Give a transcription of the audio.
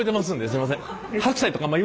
すいません。